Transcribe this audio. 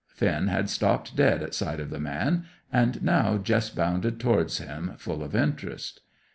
Finn had stopped dead at sight of the man, and now Jess bounded towards him, full of interest.